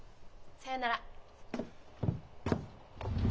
さようなら。